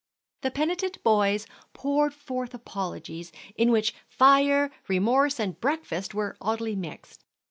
The penitent boys poured forth apologies, in which fire, remorse, and breakfast were oddly mixed.